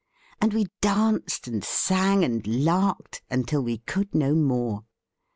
And we danced and sang and larked, until we could no more.